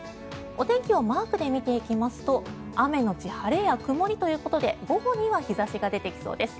お天気をマークで見ていきますと雨のち晴れや曇りということで午後には日差しが出てきそうです。